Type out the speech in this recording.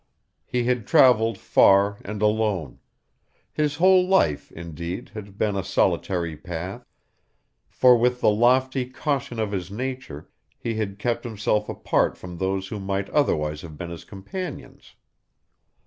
He had travelled far and alone; his whole life, indeed, had been a solitary path; for, with the lofty caution of his nature, he had kept himself apart from those who might otherwise have been his companions.